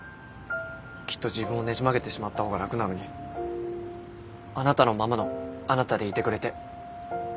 きっと自分をねじ曲げてしまった方が楽なのにあなたのままのあなたでいてくれて。